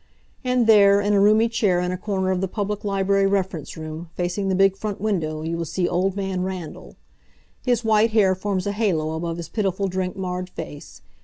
And there, in a roomy chair in a corner of the public library reference room, facing the big front window, you will see Old Man Randall. His white hair forms a halo above his pitiful drink marred face.